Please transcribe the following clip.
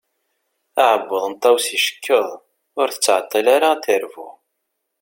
Aɛebbuḍ n Tawes icekkeḍ, ur tettɛeṭṭil ara ad d-terbu.